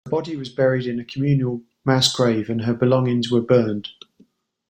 Her body was buried in a communal, mass grave and her belongings were burned.